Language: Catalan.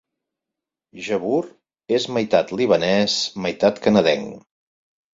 Jabour és meitat libanès, meitat canadenc.